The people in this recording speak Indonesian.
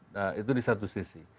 nah itu di satu sisi